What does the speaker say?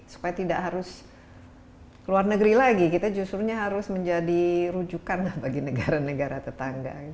supaya tidak harus ke luar negeri lagi kita justru harus menjadi rujukan bagi negara negara tetangga